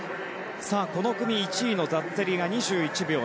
この組１位のザッツェリが２１秒７０。